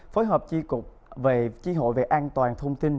phối hợp chi hội về an toàn thông tin